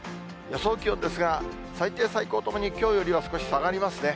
予想気温ですが、最低、最高ともにきょうよりは少し下がりますね。